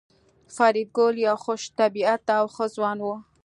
فریدګل یو خوش طبیعته او ښه ځوان و